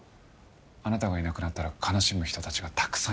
あなたがいなくなったら悲しむ人たちがたくさんいます。